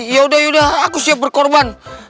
yaudah yaudah aku siap berkorban